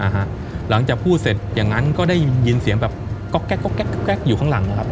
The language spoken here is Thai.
หลังจากพูดเสร็จอย่างนั้นก็ได้ยินเสียงแบบก๊อกแก๊กก๊อกแก๊กก๊อกแก๊กอยู่ข้างหลังครับ